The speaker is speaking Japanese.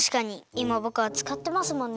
いまぼくがつかってますもんね。